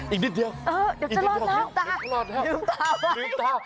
อีกนิดเดียวหลืมน้ำ